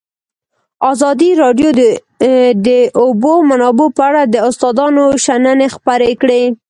ازادي راډیو د د اوبو منابع په اړه د استادانو شننې خپرې کړي.